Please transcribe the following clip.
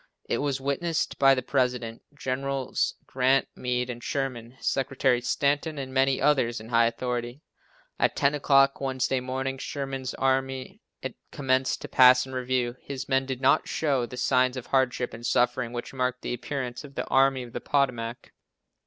It was witnessed by the President, Generals Grant, Meade, and Sherman, Secretary Stanton, and many others in high authority. At ten o'clock, Wednesday morning, Sherman's army commenced to pass in review. His men did not show the signs of hardship and suffering which marked the appearance of the Army of the Potomac.